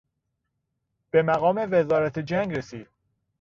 به مقام وزارت جنگ رسید.